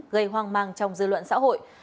gây hoang mang trong dư luận xã hội